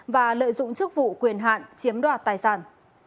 và lợi dụng chức vụ quyền hạn chiếm đoạt tài sản